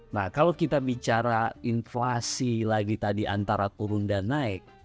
nah kalau kita bicara inflasi lagi tadi antara turun dan naik